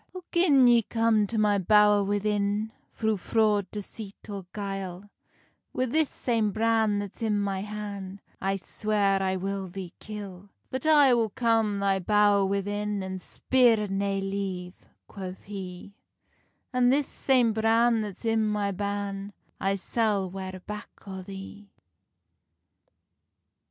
"Oh, gin ye come to my bowr within, Thro fraud, deceit, or guile, Wi this same bran that's in my han I swear I will thee kill." "But I will come thy bowr within, An spear nae leave," quoth he; "An this same bran that's i my ban, I sall ware back on the."